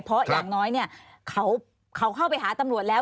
เพราะอย่างน้อยเนี่ยเขาเข้าไปหาตำรวจแล้ว